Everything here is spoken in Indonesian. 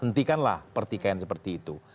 hentikanlah pertikaian seperti itu